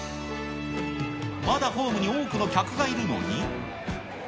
まだホームに多くの客がいるのに。